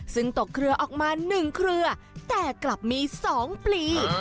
ซึ่งตกเครือออกมา๑เครือแต่กลับมี๒ปลี